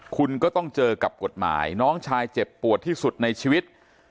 คุณก็ต้องเจอกับกฎหมายน้องชายเจ็บปวดที่สุดในชีวิต